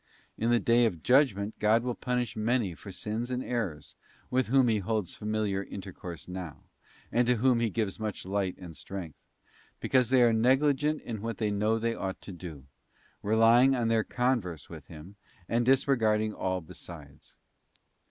In the Day of Judgment God will punish many for sins and errors, with whom He holds familiar intercourse now, and to whom He gives much light and strength; because they are negligent in what they know they ought to do—relying on their converse with Him, and disregarding all besides.